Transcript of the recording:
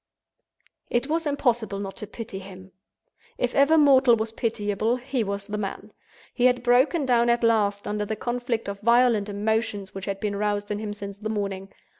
It was impossible not to pity him. If ever mortal was pitiable, he was the man. He had broken down at last, under the conflict of violent emotions which had been roused in him since the morning.